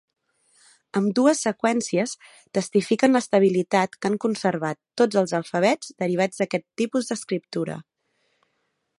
Ambdues seqüències testifiquen l'estabilitat que han conservat tots els alfabets derivats d'aquests tipus d'escriptura.